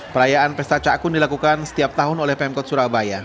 perayaan pesta cakun dilakukan setiap tahun oleh pemkot surabaya